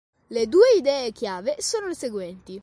Le due idee chiave sono le seguenti.